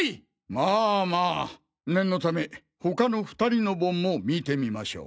まぁまぁ念のため他の２人の盆も見てみましょう。